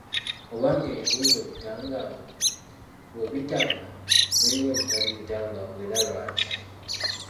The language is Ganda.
Oba ng’ebibuuzo bitangaavu; bwe bitaba, biruwa ebitali bitangaavu era lwaki?